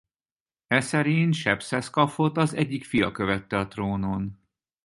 Eszerint Sepszeszkafot az egyik fia követte a trónon.